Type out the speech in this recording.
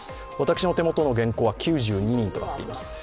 私の手元の原稿は９２人となっています。